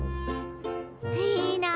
いいな！